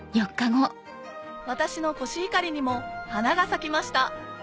私のコシヒカリにも花が咲きました